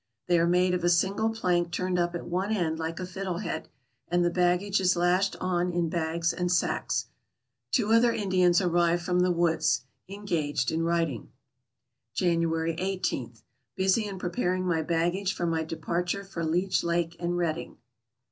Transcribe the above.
They are made of a single plank turned up at one end like a fiddle head, and the baggage is lashed on in bags and sacks. Two other Indians arrived from the woods. Engaged in writing. January 18. — Busy in preparing my baggage for my departure for Leech Lake and Reading.